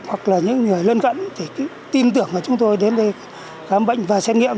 hoặc là những người lân gẫn thì tin tưởng của chúng tôi đến đây khám bệnh và xét nghiệm